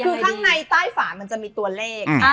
คือข้างในใต้ฝามันจะมีตัวเลข